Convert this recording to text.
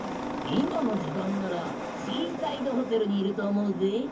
今の時間ならシーサイドホテルにいると思うぜ。